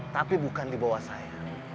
tapi bukan di bawah saya